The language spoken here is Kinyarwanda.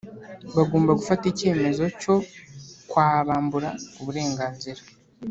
bagomba gufata icyemezo cyo kwabambura uburenganzira